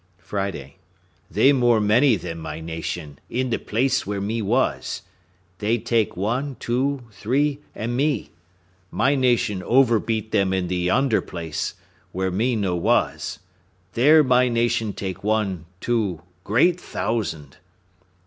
Friday.—They more many than my nation, in the place where me was; they take one, two, three, and me: my nation over beat them in the yonder place, where me no was; there my nation take one, two, great thousand.